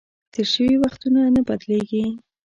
تېر شوي وختونه نه بدلیږي .